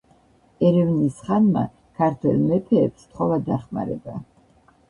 ერევნის ხანმა ქართველ მეფეებს სთხოვა დახმარება.